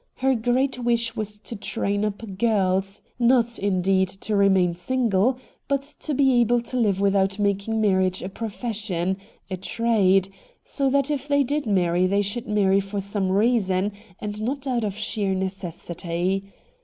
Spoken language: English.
Her great wish was to train up girls, not, indeed, to remain single, but to be able to live without making marriage a profession — a trade — so that if they did marry they should marry for some reason, and not out of sheer necessity.